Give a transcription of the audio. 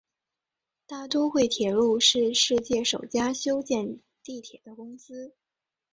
大都会铁路是世界首家修建地铁的公司。